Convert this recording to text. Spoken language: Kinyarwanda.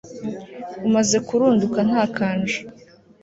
Umaze kurunduka ntakanja